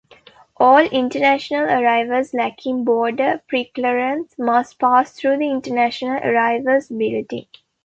All international arrivals lacking border preclearance must pass through the International Arrivals Building.